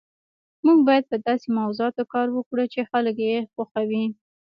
موږ باید په داسې موضوعاتو کار وکړو چې خلک یې خوښوي